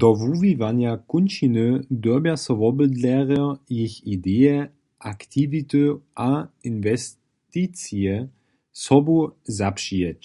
Do wuwiwanja kónčiny dyrbja so wobydlerjo, jich ideje, aktiwity a inwesticije sobu zapřijeć.